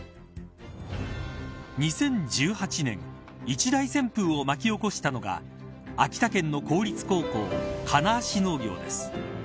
一大旋風を巻き起こしたのが秋田県の公立高校金足農業です。